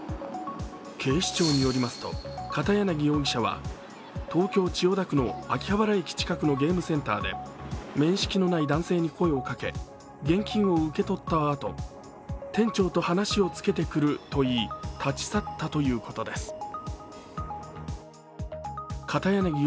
警視庁によりますと、片柳容疑者は東京・千代田区の秋葉原駅近くのゲームセンターで面識の男性に声をかけ現金を受け取ったあと、店長と話をつけてくると言い立ち去ったということです。